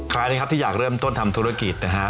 ใครนะครับที่อยากเริ่มต้นทำธุรกิจนะฮะ